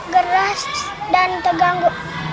geras dan keganggu